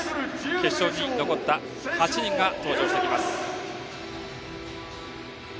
決勝に残った８人が登場します。